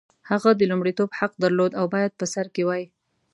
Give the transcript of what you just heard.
هغه د لومړیتوب حق درلود او باید په سر کې وای.